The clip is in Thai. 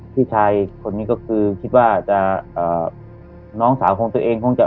พี่ชายคนนี้ก็คือคิดว่าจะน้องสาวของตัวเองคงจะ